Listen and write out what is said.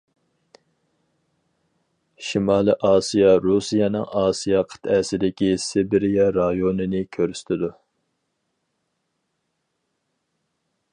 شىمالىي ئاسىيا رۇسىيەنىڭ ئاسىيا قىتئەسىدىكى سىبىرىيە رايونىنى كۆرسىتىدۇ.